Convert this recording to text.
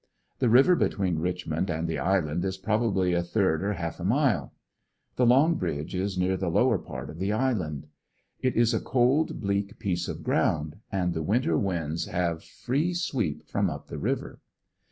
The river between Richmond and the island is probably a third or half a mile The '' long bridge " is near the lower part of the isl and. It is a cold, bleak piece of ground and the winter winds have free sweep from up the river.